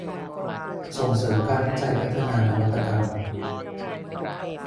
ส่งเสริมการวิจัยพัฒนานวัตกรรม